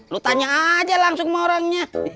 lu tanya aja langsung sama orangnya